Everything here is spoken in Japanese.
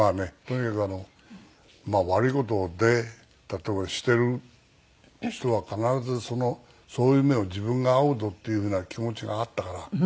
例えばしている人は必ずそういう目を自分が遭うぞっていうふうな気持ちがあったから。